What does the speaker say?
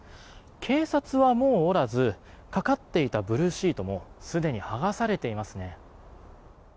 警察はもうおらずかかっていたブルーシートもすでに剥がされていますね。